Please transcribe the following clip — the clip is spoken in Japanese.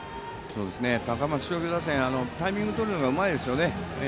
高松商業打線タイミングとるのがうまいですよね。